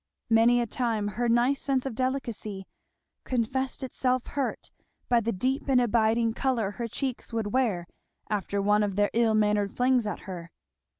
Many a time her nice sense of delicacy confessed itself hurt, by the deep and abiding colour her cheeks would wear after one of their ill mannered flings at her.